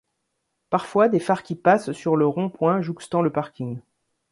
Parfois des phares qui passent sur le rond point jouxtant le parking.